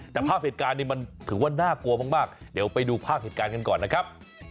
แต่ภาพเหตุการณ์นี้มันถือว่าน่ากลัวมากเดี๋ยวไปดูภาพเหตุการณ์กันก่อนนะครับ